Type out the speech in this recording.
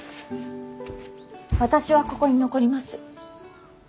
私はここに残ります。